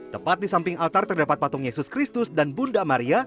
tepat di samping altar terdapat patung yesus kristus dan bunda maria